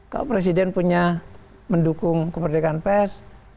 kalau presiden punya mendukung kemerdekaan pers